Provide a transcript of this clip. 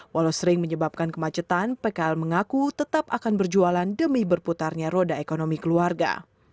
walau sering menyebabkan kemacetan pkl mengaku tetap akan berjualan demi berputarnya roda ekonomi keluarga